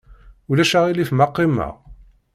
Ulac aɣilif ma qqimeɣ?